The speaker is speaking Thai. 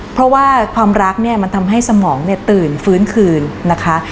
เพราะว่าความรักมันทำให้สมองตื่นฟื้นคืนนะคะ